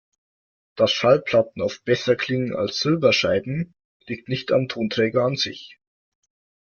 Dass Schallplatten oft besser klingen als Silberscheiben, liegt nicht am Tonträger an sich.